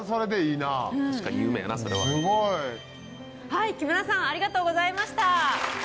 はい木村さんありがとうございました。